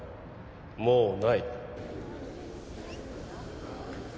もうない